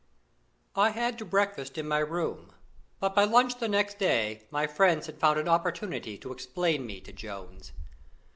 I had to breakfast in my room, but by lunch the next day my friends had found an opportunity to explain me to Jones.